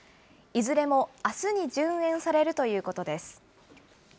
いずれもあすに順延されるということです。